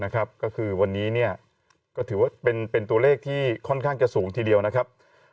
ก็คือวันนี้ก็ถือว่าเป็นตัวเลขที่ค่อนข้างจะสูงทีเดียวนะครับ